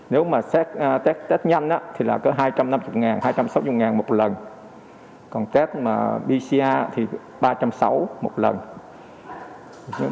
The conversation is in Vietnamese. nếu mà test nhanh thì là có hai trăm năm mươi ngàn hai trăm sáu mươi ngàn một lần còn test pcr thì ba trăm sáu mươi ngàn một lần